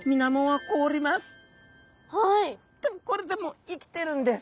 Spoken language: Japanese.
でもこれでも生きてるんです！